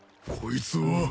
こいつは。